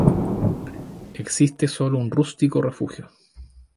Existe solo un rústico refugio.